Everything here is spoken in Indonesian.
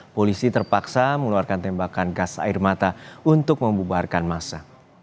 polisi terpaksa mengeluarkan tembakan gas air mata untuk membubarkan masa